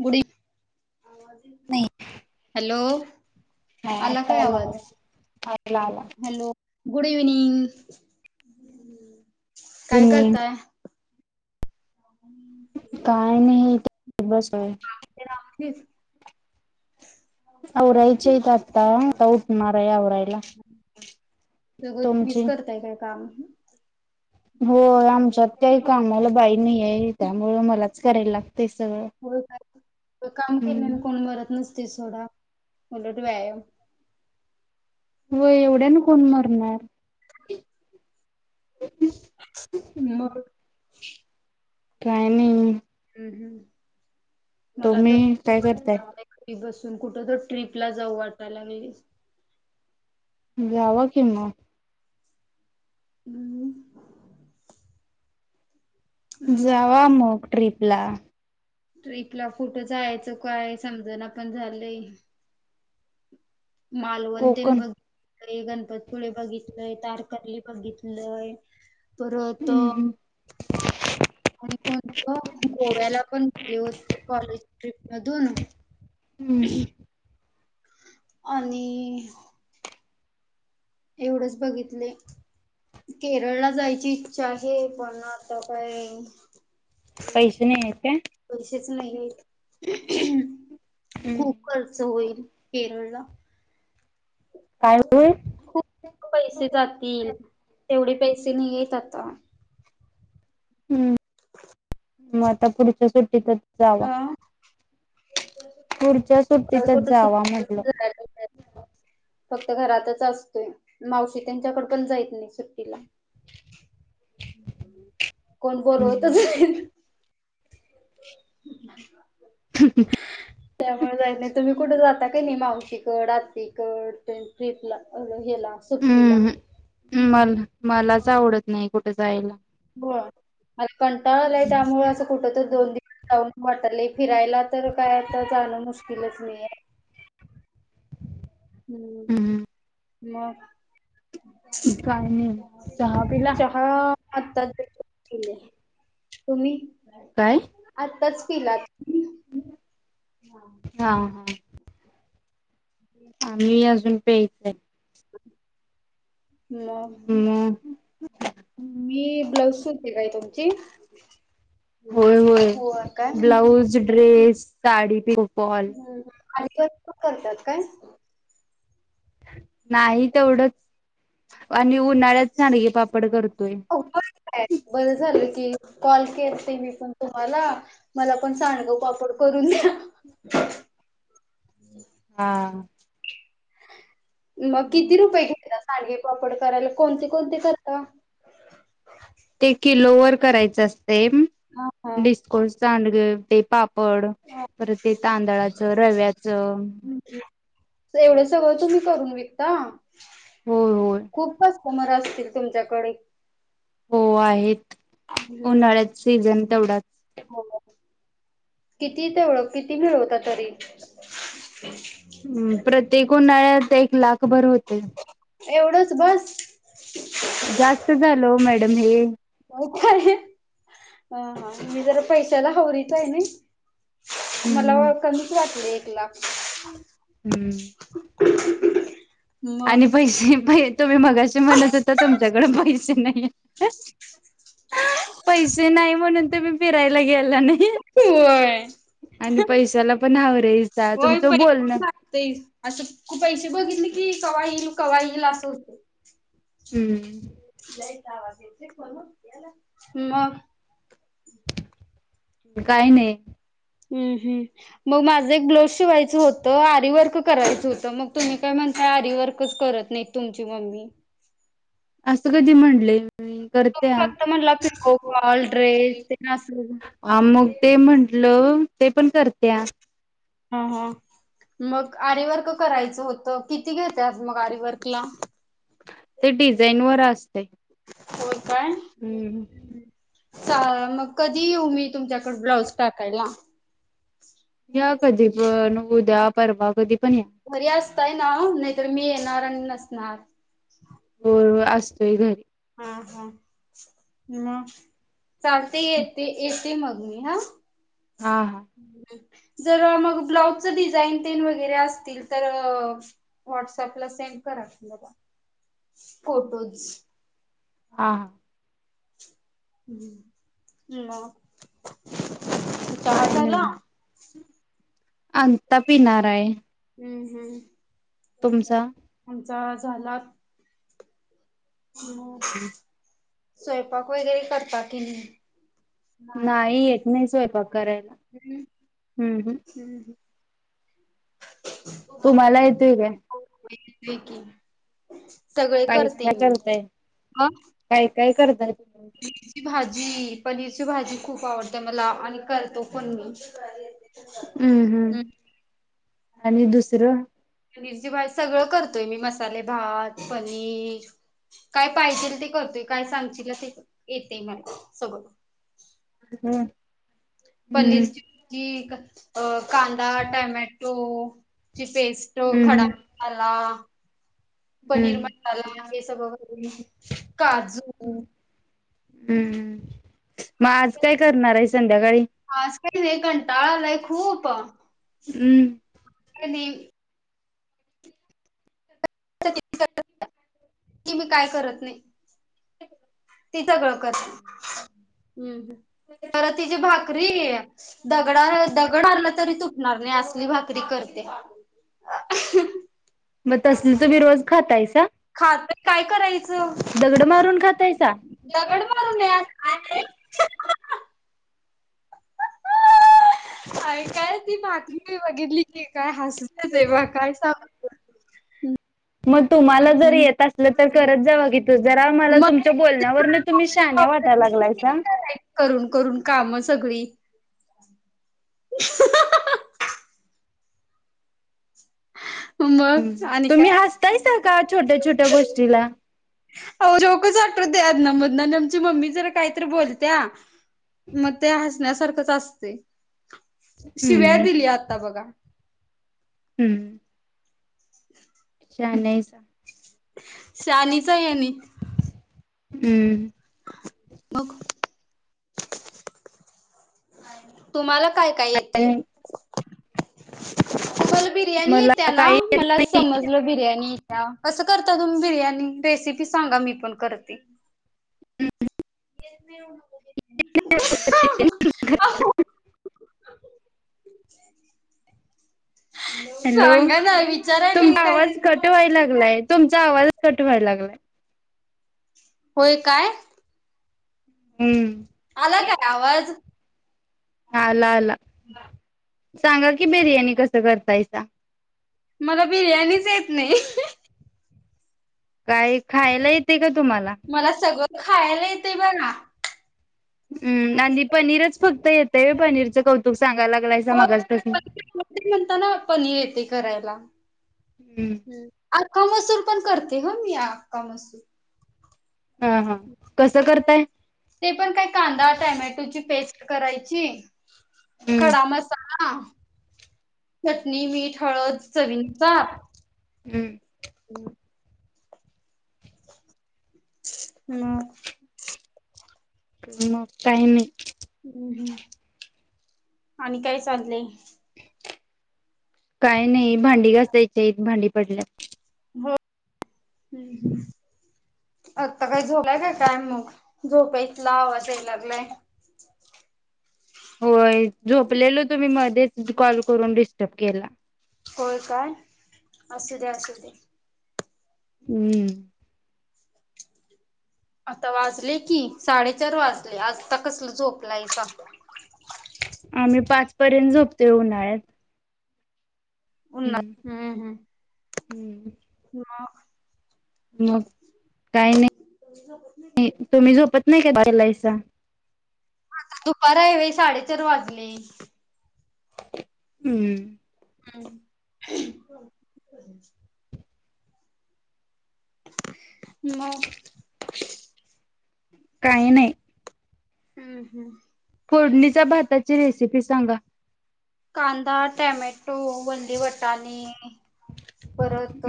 बुडी नाही हा आता आला आवाज- आला आला. Hello good evening. काय करताय? काय नाही हे इथे बसय. आवरायच्यात आत्ता [unintelligible] तहोय, तुम्हीच करताय काय काम? हो, आमच्यात त्याही कामाला बाई नाही आहे त्यामुळे मलाच करायला लागत. हो काय? काम केल्याने कोण हम्म मरत नस्- ते सोडा उलट व्यायाम- होय एवढ्यान कोण मरणार? मग्. काय नाही. [inaudible] तुम्ही- काय करताय? कुठं तर ट्रीपला जाऊ वाटाय लागलंय. जावा की म. [unintelligible] जावा मग मग ट्रीप - -पला. ट्रिपला कुठं जायाच? काय समजना पण झालंय. मालवण तेन कोकण बग. आणि गणपती [unintelligible] -पुळे बघितंलय तारकर्ली बघितंलय. परत हम्म हम्म -आणि कोणत? गोव्याला पण गेले होते कॉलेज ट्रीप. मधून? हुम्. आणि- एवढचं बघितंलय केरळला जायची इच्छा आहे पण आता काय? पैसे नाहीएत काय? नाहीत. हम्म खूप खर्च होईल केरळला. काय खूप पैसे [unintelligible] जातील तेवढे पैसे नही येत आता. हूं! म आता पुढच्या सुट तीत अं! पुढच्या सुट्टीतच जावा म्हटलं. सुट्टीला जायला मिळालं फक्त घरातच असतोय, मावशी त्यांच्यांकड पण जाईत नाही सुट्टीला. [inaudible] कोण हम्म. बोलवत. [inaudible] त्यामुळ जाय नही तुम्ही कुठ जाताय. काय नाही मावशीकड आतीकड ट्रिपला. हेला हूं सुट्टीला? हूं मला मलाच, आवडत नाही कुठ जायला. होय. कंटाळालाय, त्यामुळे असं कुठ दोन दि जावुच वाटायलय फिरायला. तर काय आता जण मुश तिलाच नीये हू! हम्म. मं! काय नाही चहा पिला? चहा आता तुम्ही काय आत्ताच! तिला. हा हा! आम्ही अजून प्यायचाय. म मग मी ब्लाऊ सुद काय तुमची, होय काय. PO Paul. आधिपासुन करत्यात काय? नाही तेवढंच आणि उन्हाळ्यात सांडगे पापड करतोय. बरं झालं कि कॉल केलते मी पण. तुम्हाला मला पण सांडग पापड करून द्या. हा. म किती रुपये घेतल्यात सांडगे- पापड- करायला कोणते कोणते [unintelligible] का? तेम हा हा -डिस्कोर्स सांडग, ते पापड, हा. परत ते तांदळाचं रव्याच. ता- हो खूपच [unintelligible] असतील. तुमच्याकडे- हो होंआहेत [inaudible] [unintelligible] तेवढा. किती ते? [unintelligible] किती मि ळवतात? तरी- हुं, प्रत्येक उन्हाळ्यात एक लाख भर होतयं. एवढच बस? जास्त झाल, ओ मॅडम हें. काहो काय ये, हां हां -मी जरा पैशाला हावरीच आहे नाई? हुं हुं, लाख हूं मग आणि पैशे पै? तुम्ही मगाशी म्हणत होता तुमच्याकडे पैसे नाही. पैसे नाही म्हणून तुम्ही फिरायला गेला- होय [unintelligible] आणि पैशाला पण हावरहायसा होय तुमचं पैसे बोलण- लागते असं खूप पैसे बघितले की, कवा इल कवा इल असं हुतय. हुं. [inaudible] मग? काही नाहीं. हुं हुं, मग माझं एक ब्लाऊज शिवायचं होतं आरीव- वर्क करायचं होतं, मग तुम्ही काय म्हणता आरीवर्कच कर. नाई तुमची मम्मी- असं कधी म्हंटलय? मी करते तुम्ही आं फक्त म्हणला पिको फॉल ड्रेस ते असं [unintelligible] आ मग ते म्हंटल- तेप- -पण करत्या. हां हां मग आरीवर्क करायचं होतं किती घेत्यात मग आरीवर्कला ते डिझाईन वर असतय होय -हं. साधं - मग कधी येऊ मी तुमच्याकड पण ब्लाऊज टाकायला या कधीपण उद्या परवा कधी पण या घरी असताय ना नाहीतर मी येणार आणि नसणार होय अस तोय घरी हां हां म चालतेय येते ते मग मी हा हा जर मग ब्लाउज डिझाईन तेन वगैरे असतील तर वॉट्सअपला सेंड करा की‌ मला फोटोज हा हां हम्म मग ते चहा काय झाला नाही अंता पिनाराय हम्म हम्म [unintelligible] चा झाला [unintelligible] स्वयंपाक वगैरे करता की नाही? नाही येत नाही स्वयंपाक करायला हम्म हम्म तुमला येतोय काय? होय येतोय की सगळे काय करते काय मी‌ करताय मग काय काय करतेस मेथीची भाजी जी पनीरची भाजी खूप आवडतेय मला आणि करतो पण मी हम्म आणि दुसरं पनीरची भाजी सगळं करतोय मी मसाले भात, पनीर काय पाहिजेल ते करतोय काय सांगचीला ते येतय मला सगळ. हम्म. हम्म पनीरची भाजी, अ कांदा, टोमॅटो, ची पेस्ट खडा हम्म मसाला, पनीर हम्म. मसाला हे‌ सगळ करून घालुन काजू हम्मम. मग आज काय करणार हायसा? ड्या काळी [unintelligible] होय की बाय कंटाळा आलाय खूप हम्म. [unintelligible] नाही [unintelligible] की मी काय करत नाही ती सगळं कर हम्म तर तिची भाकरी अ दगडला दगड हाणला तरी तू नारन्या असली भाकरी करते आ अं हं. मग तसल तुमी रोज खातायसा. खातोय काय करायचं दगड मारून खातायसा दगड मारू नये मारून असं काय नाही. खातंय. ऐकाय ती मातमी मीऊ बघितली की काय हास हे देवा काय सांगू तुला? हम्म. मद तुम्हाला जर येत असल तर करत जावा. जरा मला तुमच्या मग बोलण्यावरन तुम्ही शान्या वाटायला लागलायसा. करून करून काम सगळी उ ह ह ह. मग आणि तुम्ही काय हसतायसा का छोट्या छोट्या गोष्टीला आव जोकच आठवते आज्ञा मदन अन आमची मम्मी जरा काहीतरी बोलत्या मग ते हसण्यासारखंच अस असे. शिव्या दिली आता बघा. हम्मं. [inaudible] शहाणायसा शाणीच हाय आणि हम्म. मग, तुमाला काय काय येतय? [inaudible] तुम्हाला बिर्याणी मला येतीया ना काही मला समजलं बिर्याणी येतीया कसं करता तुम्ही? बिर्याणी रेसिपी सांगा मी पण करते. हं अओ. हॅलो विचारायला तुमचा काय आवाज कट व्हायला ते लागलाय तुम् चा आवाज कट व्हायला लागलाय. होय काय. हम्म आला काय आवाज आला आला. सांगा की बिर्याणी कसं करतायसा? ता मला बिर्याणीच येत नाही. काय खायला येते का तुम्हाला मला सगळं खायला येतंय बघा. [unintelligible] आणि पनीरच फक्त येतय व्हय पनीरचं कौतुक सांगायला लागलायसा हो मगाच पासन ते म्हणताना करायला. हम्म आक् का मसूर पण करतेय हं मी आक्का मसूर. हं हं कसं करताय? ते पण काय कांदा टोमॅटोची पेस्ट ट करायची. हम्म खडा मसाला चटणी मीठ हळद चवीनुसार [unintelligible] [inaudible] मग् काय मग काय नाही. आणि काय चाललंय काय नाही भांडी घासायची हाईत भांडी पडल्यात. हम्म आता काय झोपलाय काय काय मग झोपेतला आवाज याय लागलाय. होय व्हंय झोपलेलो तुम्ही मध्येच कॉल करून डिस्टब केला. होय काय असूदे असूदे. हम्म आता वाजले की साडेचार वाजले आता कसंल झोपलाईसा आम्ही पाच पर्यंत झोपतोय उन्हाळ्यात उन्हात हम्म हम्म हम्म उन्हाळा मग काही नाही तुम्ही झोपत नाही काय [unintelligible] आता दुपार हाय वय साडेचार वाजले. हम्म हम्म [unintelligible] [inaudible] मग काही नाही. हम्म हम्म फोडणीच्या भाताची रेसिपी सांगा कांदा, टयाम्या टो वल्ले वाटाने परत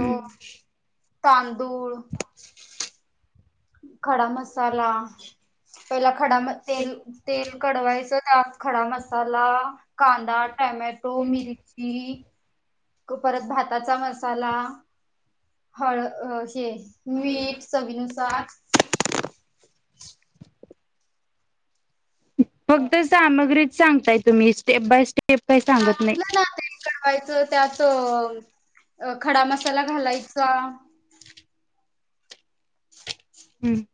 तांदूळ खडा मसा साला पहिला खडा म तेल तेल कडवायचं. त्यात खडा मस मसाला, कांदा, टोमॅटो, मिरची परत भाताचा मसाला हळ अ मीठ चवीनुसार अ, फक्त सामग्रीच सांगताय. तुम्ही स्टेप बाय स्टेप- काही सांगत सांगितल नाही. ना तेल कडवायच कस - ते आस खडा मसाला घालायचा- [inaudible] हम्म.